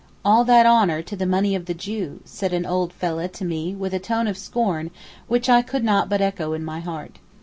'All that honour to the money of the Jew,' said an old fellah to me with a tone of scorn which I could not but echo in my heart.